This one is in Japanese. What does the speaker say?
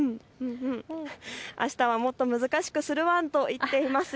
あしたはもっと難しくするワンと言っています。